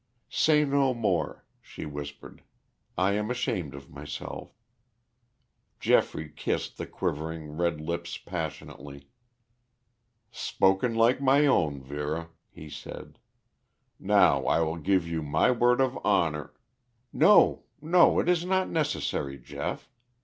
"Say no more," she whispered. "I am ashamed of myself." Geoffrey kissed the quivering red lips passionately. "Spoken like my own, Vera," he said. "Now I will give you my word of honor " "No, no. It is not necessary, Geoff.